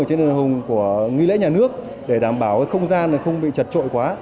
ở trên đường hùng của nghi lễ nhà nước để đảm bảo cái không gian này không bị chật trội quá